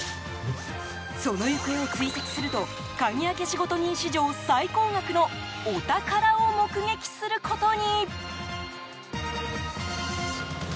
その行方を追跡すると鍵開け仕事人史上最高額のお宝を目撃することに。